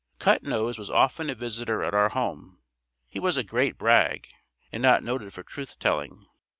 Cut Nose was often a visitor at our home. He was a great brag and not noted for truth telling.